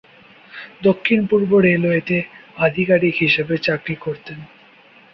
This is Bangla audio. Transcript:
দক্ষিণ-পূর্ব রেলওয়েতে আধিকারিক হিসেবে চাকরি করতেন।